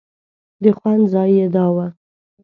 د خوند ځای یې دا و.